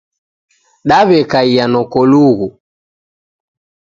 Daw'ekaiya nokolughu.